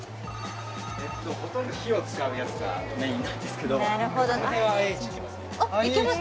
ほとんど火を使うやつがメインなんですけどなるほどなるほどいけます？